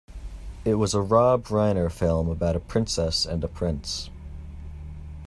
It was a Rob Reiner film about a princess and a prince.